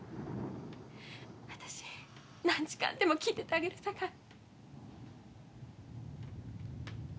私何時間でも聞いててあげるさかい。